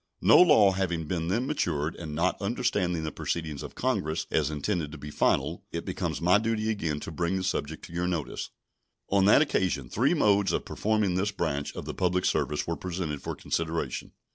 No law having been then matured, and not understanding the proceedings of Congress as intended to be final, it becomes my duty again to bring the subject to your notice. On that occasion three modes of performing this branch of the public service were presented for consideration.